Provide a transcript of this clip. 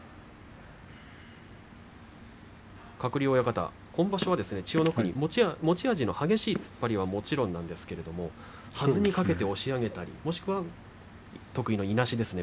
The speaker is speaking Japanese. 鶴竜親方、今場所は千代の国持ち味の激しい突っ張りはもちろんなんですけれどはずにかけて押し上げたりもしくは得意のいなしですね。